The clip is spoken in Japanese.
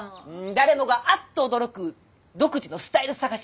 誰もがあっと驚く独自のスタイル探しお手伝いします！